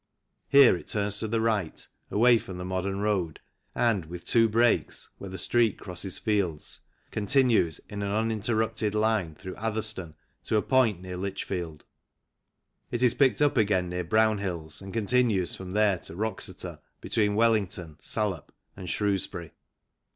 Here it turns to the right, away from the modern road, and, with two breaks (where the Street crosses fields), continues in an uninterrupted line through Atherstone to a point near ROADS IN GREAT BRITAIN 79 Lichfield. It is picked up again near Brownhills and continues from there to Wroxeter, between Wellington (Salop) and Shrewsbury.